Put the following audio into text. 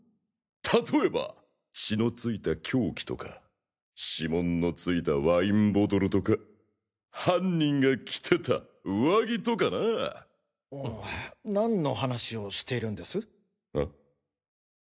例えば！血のついた凶器とか指紋のついたワインボトルとか犯人が着てた上着とかなぁ。何の話をしているんです？え？